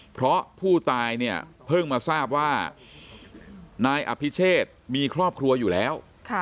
เพราะผู้ตายเนี่ยเพิ่งมาทราบว่านายอภิเชษมีครอบครัวอยู่แล้ว